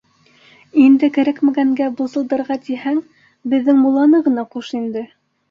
— Инде кәрәкмәгәнгә былсылдарға тиһәң, беҙҙең мулланы ғына ҡуш инде.